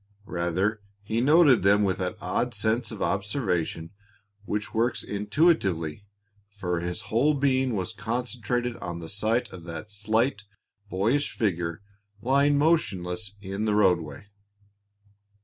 Rather, he noted them with that odd sense of observation which works intuitively, for his whole being was concentrated on the sight of that slight, boyish figure lying motionless in the roadway.